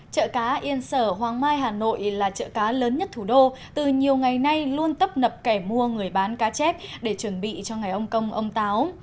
chợ cá yên sở hoàng mai hà nội là chợ cá lớn nhất thủ đô từ nhiều ngày nay luôn tấp nập kẻ mua người bán cá chép để chuẩn bị cho ngày ông công ông táo